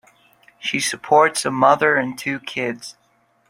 She supports a mother and two kids.